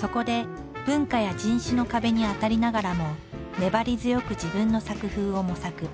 そこで文化や人種の壁に当たりながらも粘り強く自分の作風を模索。